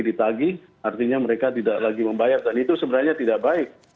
kalau tidak lagi ditagih artinya mereka tidak lagi membayar dan itu sebenarnya tidak baik